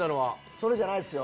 それじゃないっすよ。